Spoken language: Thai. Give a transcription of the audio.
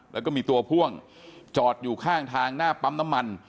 แล้วก็มีตัวพ่วงจอดอยู่ข้างทางหน้าปั๊มน้ำมัน